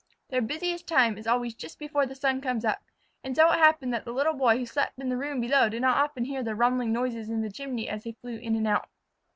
Their busiest time is always just before the sun comes up, and so it happened that the Little Boy who slept in the room below did not often hear the rumbling noise in the chimney as they flew in and out.